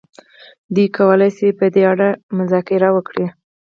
دوی کولای شي په دې اړه مذاکره وکړي.